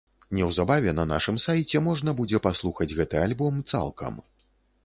Неўзабаве на нашым сайце можна будзе паслухаць гэты альбом цалкам.